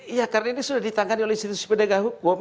iya karena ini sudah ditangani oleh institusi pendegah hukum